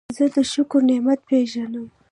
زه د شکر نعمت پېژنم.